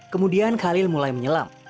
kemudian khalil mulai menyelam